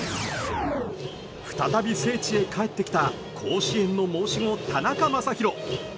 再び聖地へ帰ってきた甲子園の申し子・田中将大。